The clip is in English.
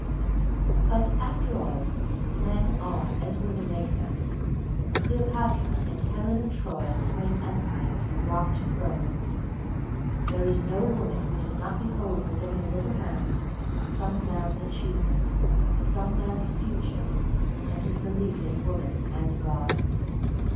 But, after all, men are as women make them. Cleopatra and Helen of Troy swayed empires and rocked thrones. There is no woman who does not hold within her little hands some man's achievement, some man's future, and his belief in woman and God.